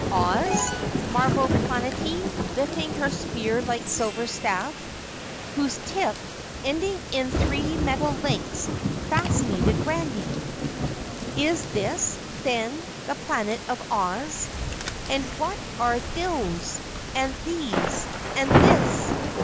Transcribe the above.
"Oz?" marveled Planetty, lifting her spear like silver staff, whose tip, ending in three metal links, fascinated Randy. "Is this, then, the Planet of Oz? And what are those, and these, and this?"